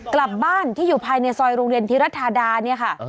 กลับบ้านที่อยู่ภายในซอยโรงเรียนธิรัฐธาดาเนี่ยค่ะ